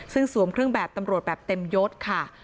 ซึ่งสวมเครื่องแบบตำรวจแบบเต็มยศค่ะ